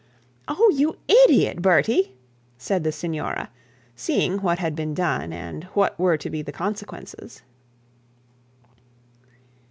'Oh, you idiot, Bertie!' said the signora, seeing what had been done, and what were the consequences.